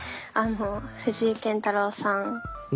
藤井健太郎さん